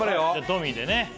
トミーでね